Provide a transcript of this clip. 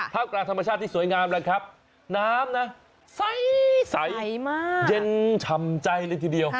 กลางธรรมชาติที่สวยงามแล้วครับน้ำนะใสมากเย็นฉ่ำใจเลยทีเดียว